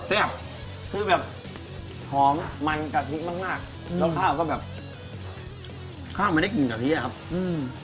คือแบบหอมอ่ะมันกะทิมากมากแล้วข้าวก็แบบข้าวมันได้กลิ่นกะทิอ่ะครับอืม